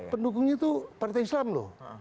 pendukungnya itu partai islam loh